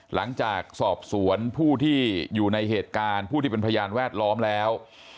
หลังจากสอบสวนผู้ที่อยู่ในเหตุการณ์ผู้ที่เป็นพยานแวดล้อมแล้ว